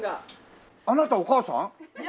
あなたお母さん？